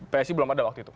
psi belum ada waktu itu